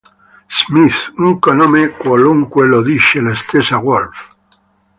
Smith, un cognome qualunque, lo dice la stessa Woolf.